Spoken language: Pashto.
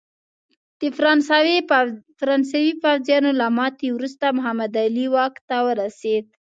د فرانسوي پوځیانو له ماتې وروسته محمد علي واک ته ورسېد.